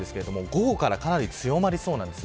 午後から強まりそうです。